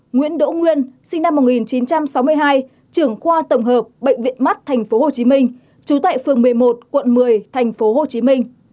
nguyễn đỗ nguyên sinh năm một nghìn chín trăm sáu mươi hai trưởng khoa tổng hợp bệnh viện mắt tp hcm trú tại phường một mươi một quận một mươi tp hcm